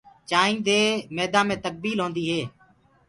چآنٚينٚ دي ميدآ مي تڪبيل هوندي هي۔